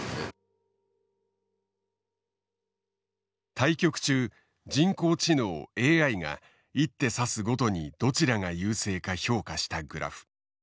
対局中人工知能ＡＩが一手指すごとにどちらが優勢か評価したグラフ。